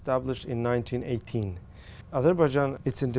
việt nam muốn tạo ra